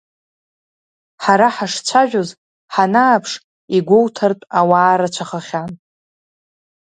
Ҳара ҳашцәажәоз, ҳанааԥш, игәоуҭартә ауаа рацәахахьан.